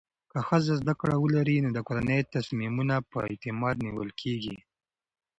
که ښځه زده کړه ولري، نو د کورنۍ تصمیمونه په اعتماد نیول کېږي.